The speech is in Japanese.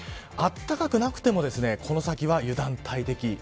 あったかくなくてもこの先は油断大敵。